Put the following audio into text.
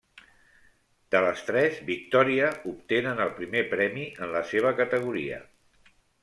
De les tres, Victòria obtenen el primer premi en la seva categoria.